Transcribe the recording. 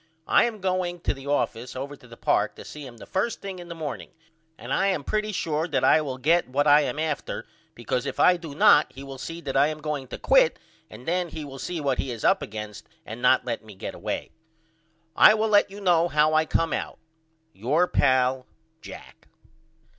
I am going to the office over to the park to see him the first thing in the morning and I am pretty sure that I will get what I am after because if I do not he will see that I am going to quit and then he will see what he is up against and not let me get away. I will let you know how I come out. Your pal, JACK.